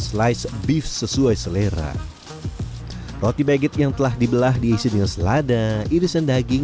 slice beef sesuai selera roti baggit yang telah dibelah diisi dengan selada irisan daging